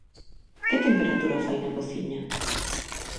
Que temperatura fai na cociña?